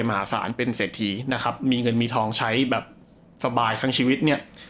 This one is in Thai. มหาศาลเป็นเศรษฐีนะครับมีเงินมีทองใช้แบบสบายทั้งชีวิตเนี่ย